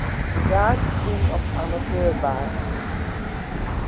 De gaazjes wienen op amateurbasis.